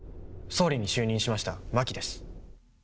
総理に就任しました、真木です。